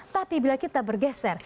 tapi bila kita bergeser